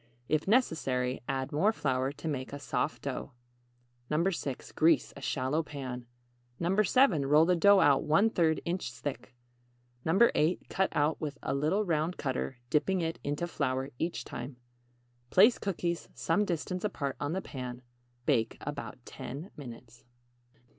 If necessary, add more flour to make a soft dough. 6. Grease a shallow pan. 7. Roll the dough out 1/3 inch thick. 8. Cut out with a little round cutter, dipping it into flour each time. Place cookies some distance apart on the pan. Bake about 10 minutes.